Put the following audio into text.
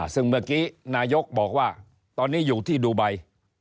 ซึ่งเมื่อกี้นายกบอกว่าตอนนี้อยู่ที่ดูไบ